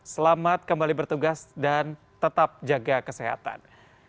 selamat kembali bertugas dan tetap jaga kesehatan